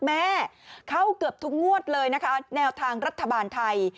แม่เข้าเกือบทุกงวดเลยนะคะแนวทางรัฐบาลไทย